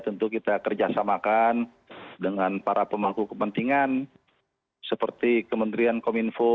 tentu kita kerjasamakan dengan para pemangku kepentingan seperti kementerian kominfo